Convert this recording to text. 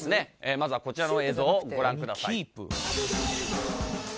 まずはこちらの映像をご覧ください。